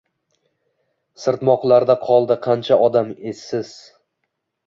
Sirtmoqlarda qoldi qancha odam, esiz…